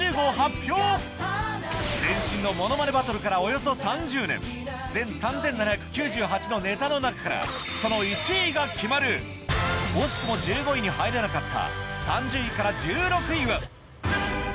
前身の『ものまねバトル』からおよそ３０年全３７９８のネタの中からその１位が決まる惜しくも１５位に入れなかった